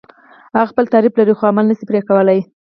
هغه خپل تعریف لري خو عمل نشي پرې کولای.